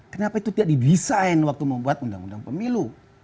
kenapa itu tidak didesain waktu membuat undang undang pemilu